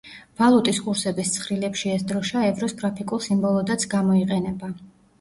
ვალუტის კურსების ცხრილებში ეს დროშა ევროს გრაფიკულ სიმბოლოდაც გამოიყენება.